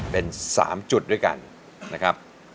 เป็น๓จุดด้วยกันนะครับ